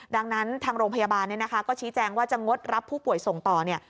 ดังนั้นทางโรงพยาบาลเนี่ยนะคะก็ชี้แจงว่าจะงดรับผู้ป่วยส่งต่อเนี่ย